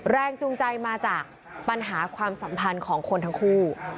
แรงจูงใจมาจากปัญหาความสัมพันธ์ของคนทั้งคู่